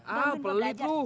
ah pelit tuh